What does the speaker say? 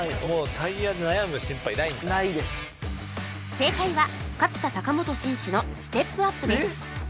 正解は勝田貴元選手のステップアップです